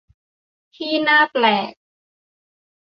ที่น่าแปลก ?